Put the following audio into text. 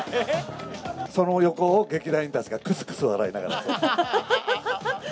その横を、劇団員たちがくすくす笑いながら。